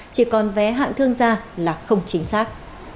chỉ còn vé hạng thương gia là không chính xác